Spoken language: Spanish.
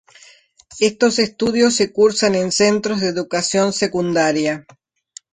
Estos estudios se cursan en Centros de Educación Secundaria.